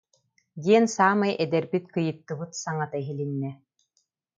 диэн саамай эдэрбит кыйыттыбыт саҥата иһилиннэ